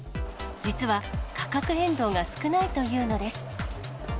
実は、価格変動が少ないというのです。